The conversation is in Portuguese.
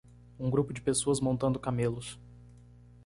Um grupo de pessoas montando camelos.